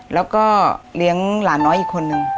แล้วก็เลี้ยงหลานน้อยอีกคนนึง